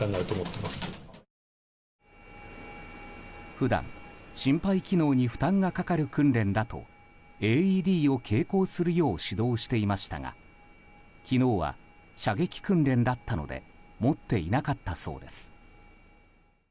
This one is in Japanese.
普段心肺機能に負担がかかる訓練だとＡＥＤを携行するよう指導していましたが昨日は射撃訓練だったので持っていなかったそうです。